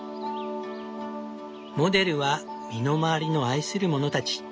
モデルは身の回りの愛するものたち。